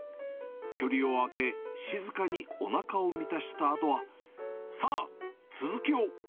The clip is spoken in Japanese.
距離を空け、静かにおなかを満たしたあとは、さあ、続きを。